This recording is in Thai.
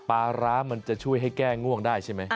ปลาร้ามันจะช่วยให้แก้ง่วงได้ใช่ไหม